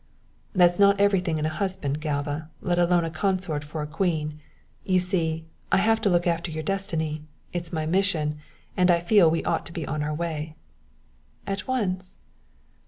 "That's not every thing in a husband, Galva, let alone a consort for a queen. You see, I have to look after your destiny it's my mission and I feel we ought to be on our way." "At once?"